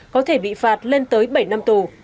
có thể bị phạt lên tới bảy năm tù